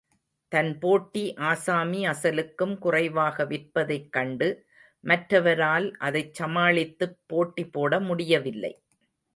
தன் போட்டி ஆசாமி அசலுக்கும் குறைவாக விற்பதைக் கண்டு, மற்றவரால் அதைச் சமாளித்துப் போட்டி போட முடியவில்லை.